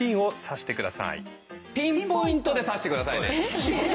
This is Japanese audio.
ピンポイントで刺して下さいね！